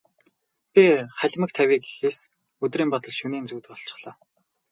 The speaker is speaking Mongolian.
Би халимаг тавья гэхээс өдрийн бодол, шөнийн зүүд болчихлоо.